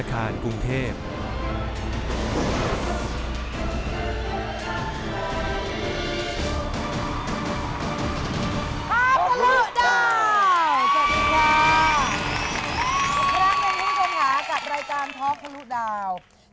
กลับมานี้กำหากับรายการท้อพลูกดาวน์